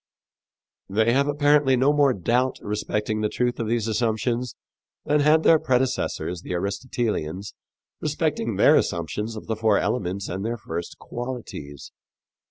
They have apparently no more doubt respecting the truth of these assumptions than had their predecessors, the Aristotelians, respecting their assumptions of the four elements and their first qualities.